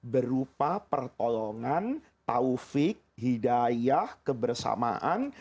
berupa pertolongan taufik hidayah kebersamaan